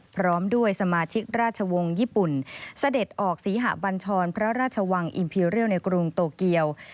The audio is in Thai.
พร้อมด้วยสมาชิกราชวงศ์ญี่ปุ่นเสด็จออกศรีหะบัญชรพระราชวังอิมพีเรียลในกรุงโตเกียว